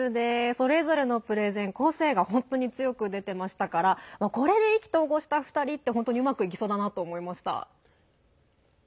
それぞれのプレゼン個性が出ていましたからこれで意気投合した２人はうまくいきそうだなと思いました。